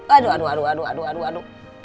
aduh aduh aduh aduh aduh aduh aduh